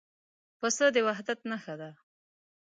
پسه د وحدت نښه ده.